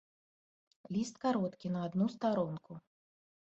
Ліст кароткі, на адну старонку.